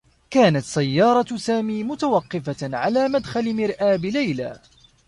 كانت سيّارة سامي متوقّفة على مدخل مرآب ليلى.